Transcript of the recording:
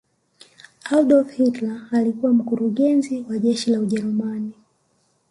adolf hilter alikuwa mkurugezi wa jeshi la ujerumani